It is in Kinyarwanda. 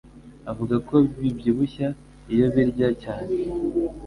avuga ko bibyibushya iyo ubirya cyane